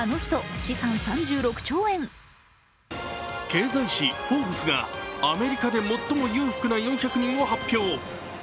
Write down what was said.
経済誌「フォーブス」がアメリカで最も裕福な４００人を発表。